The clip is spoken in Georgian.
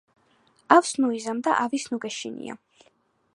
ავს ნუ იზამ და ავის ნუ გეშინია.